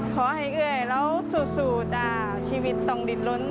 ขอให้เอ่ยเราสู่ชีวิตตรงดินล้น